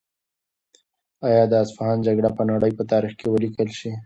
آیا د اصفهان جګړه به د نړۍ په تاریخ کې ولیکل شي؟